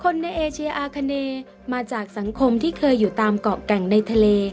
ในเอเชียอาคาเนมาจากสังคมที่เคยอยู่ตามเกาะแก่งในทะเล